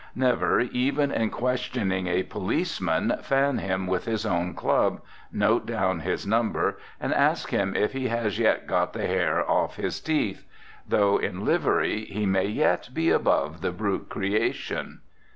Never, even in questioning a policeman, fan him with his own club, note down his number, and ask him if he has yet got the hair off his teeth. Though in livery, he may yet be above the brute creation.